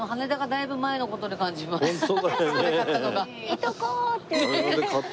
「いとこ」って言って。